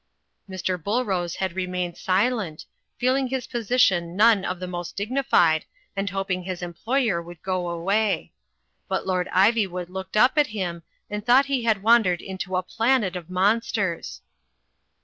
" Mr. BuUrose had remained silent, feeling his po sition none of the most dignified, and hoping his employer would go away. But Lord Ivywood looked up at him, and thought he had wandered into a planet of monsters.